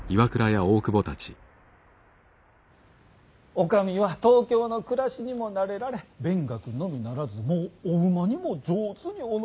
お上は東京の暮らしにも慣れられ勉学のみならずもうお馬にも上手にお乗りになられる。